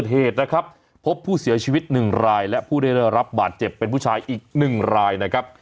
เหตุนะครับพบผู้เสียชีวิต๑รายและผู้ได้รับบาดเจ็บเป็นผู้ชายอีก๑รายนะครับ